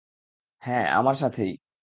হ্যাঁ, আমার সাথেই।